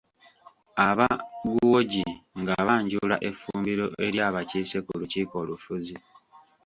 Aba Guoji nga banjula effumbiro eri abakiise ku lukiiko olufuzi.